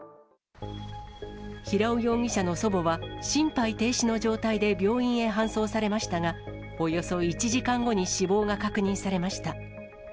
平尾容疑者の祖母は、心肺停止の状態で病院へ搬送されましたが、およそ１時間後に死亡が確認されました。